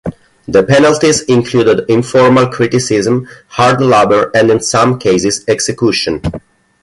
The penalties included informal criticism, hard labor, and in some cases, execution.